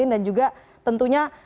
dan juga tentunya